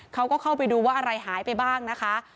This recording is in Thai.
เขาก็เข้าไปดูว่าอะไรหายไปบ้างนะคะ